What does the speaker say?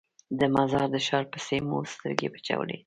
د مزار د ښار پسې مو سترګې اچولې.